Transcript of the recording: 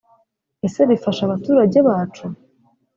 Ese bifasha abaturage bacu